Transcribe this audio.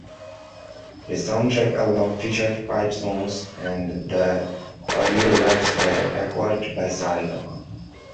The soundtrack album featured five songs and the audio rights were acquired by Saregama.